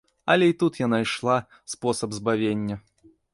Але й тут я найшла спосаб збавення.